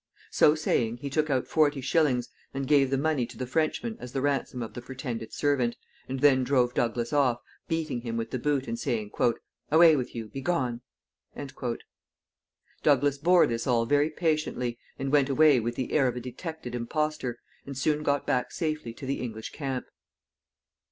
So saying, he took out forty shillings, and gave the money to the Frenchmen as the ransom of the pretended servant, and then drove Douglas off, beating him with the boot and saying, "Away with you! Begone!" Douglas bore this all very patiently, and went away with the air of a detected impostor, and soon got back safely to the English camp.